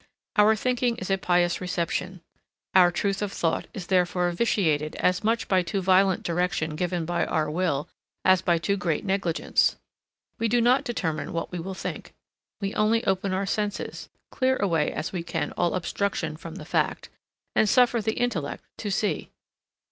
Our thinking is a pious reception. Our truth of thought is therefore vitiated as much by too violent direction given by our will, as by too great negligence. We do not determine what we will think. We only open our senses, clear away as we can all obstruction from the fact, and suffer the intellect to see.